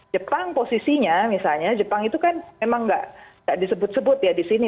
jepang posisinya misalnya jepang itu kan memang nggak disebut sebut ya di sini